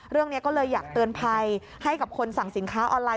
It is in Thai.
เรื่องนี้ก็เลยอยากเตือนภัยให้กับคนสั่งสินค้าออนไลน